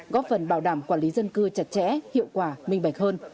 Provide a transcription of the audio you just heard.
góp phần bảo đảm quản lý dân cư chặt chẽ hiệu quả minh bạch hơn